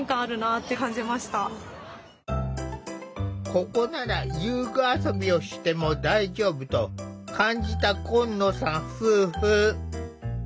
ここなら遊具遊びをしても大丈夫と感じた今野さん夫婦。